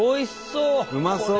うまそう！